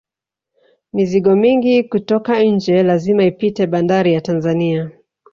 mizigo mingi kutoka nje lazima ipite banbari ya tanzania